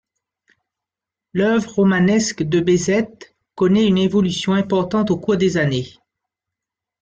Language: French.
L'œuvre romanesque de Bessette connait une évolution importante au cours des années.